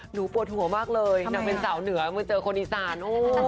ปวดหัวมากเลยนางเป็นสาวเหนือเมื่อเจอคนอีสาน